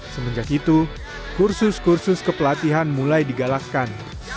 semenjak itu kursus kursus kepelatihan mulai digalaskan